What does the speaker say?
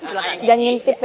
jangan ngintip ya